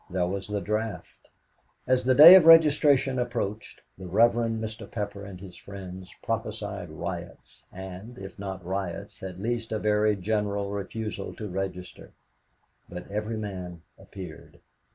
There was the draft. As the day of registration approached, the Rev. Mr. Pepper and his friends prophesied riots; and, if not riots, at least a very general refusal to register but every man appeared.